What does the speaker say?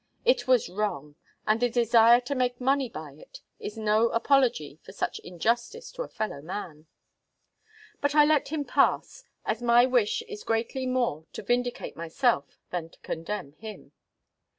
It was wrong; and the desire to make money by it, is no apology for such injustice to a fellow man. But I let him pass; as my wish is greatly more to vindicate myself, than to condemn him.